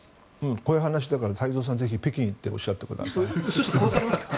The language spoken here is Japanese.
こういう話だから、太蔵さん、北京に行って話してください。